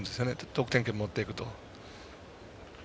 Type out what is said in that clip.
得点圏に持っていくと。